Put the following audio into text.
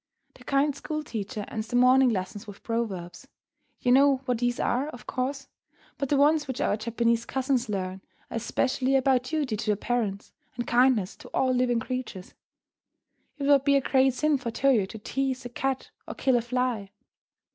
Their kind school teacher ends the morning lessons with proverbs. You know what these are, of course, but the ones which our Japanese cousins learn are especially about duty to their parents, and kindness to all living creatures. It would be a great sin for Toyo to tease the cat or kill a fly.